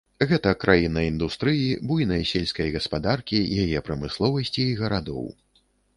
Гэта краіна індустрыі, буйнай сельскай гаспадаркі, яе прамысловасці і гарадоў.